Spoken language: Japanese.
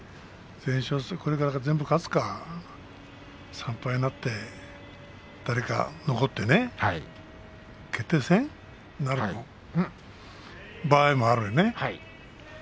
これから全部勝つか３敗になって誰か残って決定戦になる場合があるよね。